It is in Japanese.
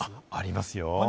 ありますよ。